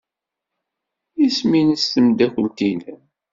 Isem-nnes tmeddakelt-nnem?